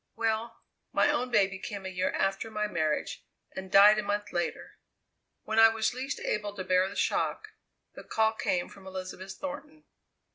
"Well, my own baby came a year after my marriage and died a month later. When I was least able to bear the shock, the call came from Elizabeth Thornton.